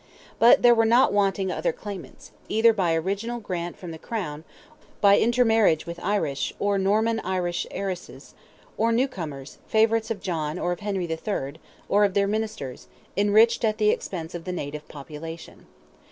But there were not wanting other claimants, either by original grant from the crown, by intermarriage with Irish, or Norman Irish heiresses, or new comers, favourites of John or of Henry III., or of their Ministers, enriched at the expense of the native population.